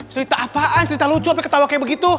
cerita apaan cerita lucu tapi ketawa kayak begitu